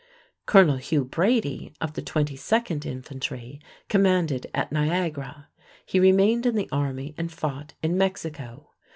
Colonel Hugh Brady, of the 22nd Infantry, commanded at Niagara. He remained in the army and fought in Mexico.